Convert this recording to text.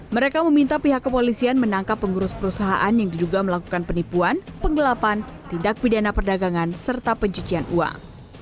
mereka meminta pihak kepolisian menangkap pengurus perusahaan yang diduga melakukan penipuan penggelapan tindak pidana perdagangan serta pencucian uang